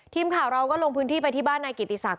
ทีมข่าวเราก็ลงพื้นที่ไปที่บ้านนายกิติศักดิ